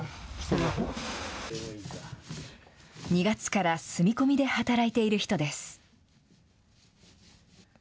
２月から住み込みで働いている人です。